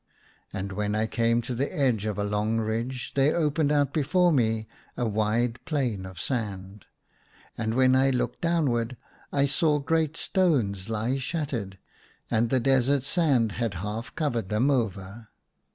* And when I came to the edge of a long ridge there opened out before me a wide plain of sand. And when I looked downward I saw great stones lie shattered ; and the desert sand had half covered them over.